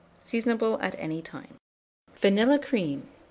Seasonable at any time. VANILLA CREAM.